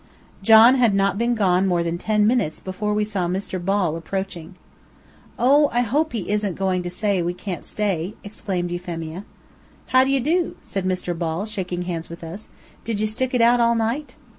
John had not been gone more than ten minutes before we saw Mr. Ball approaching. "Oh, I hope he isn't going to say we can't stay!" exclaimed Euphemia. "How d'ye do?" said Mr. Ball, shaking hands with us. "Did you stick it out all night?"